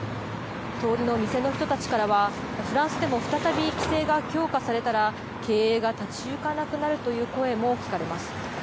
通りの店の人たちからは、フランスでも再び規制が強化されたら、経営が立ち行かなくなるという声も聞かれます。